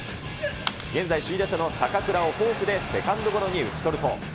現在、首位打者のたかくらをフォークでセカンドゴロに打ち取ると。